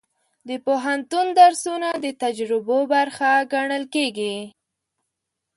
د پوهنتون درسونه د تجربو برخه ګڼل کېږي.